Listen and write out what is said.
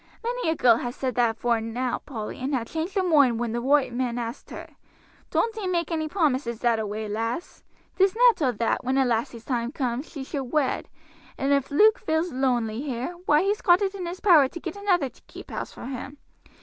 "Many a girl ha' said that afore now, Polly, and ha' changed her moind when the roight man asked her. Don't ee make any promises that away, lass. 'Tis natural that, when a lassie's time comes, she should wed; and if Luke feels loanly here, why he's got it in his power to get another to keep house for him.